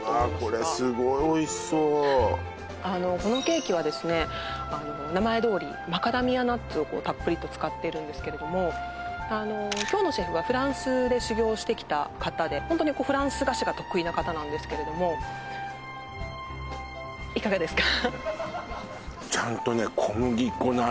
これすごいおいしそうあのこのケーキはですね名前どおりマカダミアナッツをこうたっぷりと使っているんですけれどもあの興野シェフがフランスで修業をしてきた方でホントにフランス菓子が得意な方なんですけれどもいかがですか？